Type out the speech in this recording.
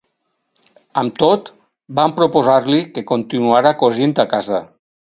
Amb tot, van proposar-li que continuara cosint a casa.